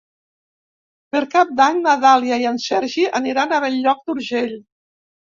Per Cap d'Any na Dàlia i en Sergi aniran a Bell-lloc d'Urgell.